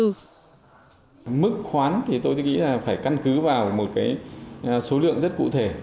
mức khoán thì tôi nghĩ là phải căn cứ vào một cái số lượng rất cụ thể